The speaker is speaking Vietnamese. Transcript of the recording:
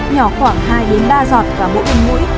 nhỏ khoảng hai ba giọt vào mỗi bên mũi